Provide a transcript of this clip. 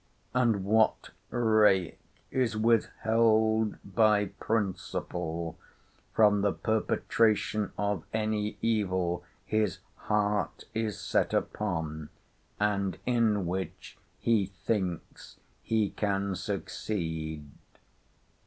—And what rake is withheld by principle from the perpetration of any evil his heart is set upon, and in which he thinks he can succeed?